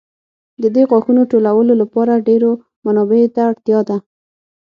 د دې غاښونو ټولولو لپاره ډېرو منابعو ته اړتیا ده.